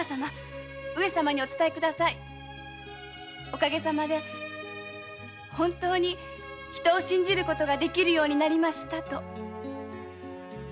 お陰様で本当に人を信じることができるようになりましたと。